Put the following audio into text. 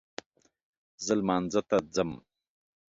زه لمانځه ته ځم